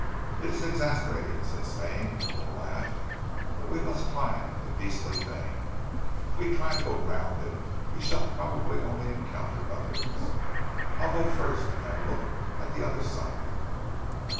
"It is exasperating," said Stane, with a little laugh. "But we must climb the beastly thing. If we try to go round it, we shall probably only encounter others. I'll go first and have a look at the other side."